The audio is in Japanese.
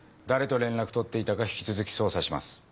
誰と連絡取っていたか引き続き捜査します。